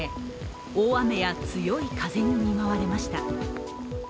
大雨や強い風に見舞われました。